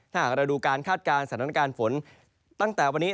ถ้าหากเราดูการคาดการณ์สถานการณ์ฝนตั้งแต่วันนี้